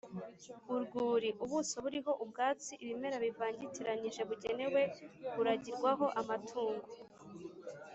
Urwuri : ubuso buriho ubwatsi, ibimera bivangitiranyije bugenewe kuragirwaho amatungo.